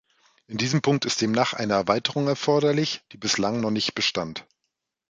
In diesem Punkt ist demnach eine Erweiterung erforderlich, die bislang noch nicht bestand.